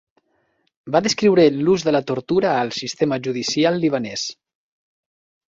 Va descriure l"ús de la tortura al sistema judicial libanès.